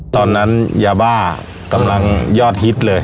ตอนนั้นยาบ้ากำลังยอดฮิตเลย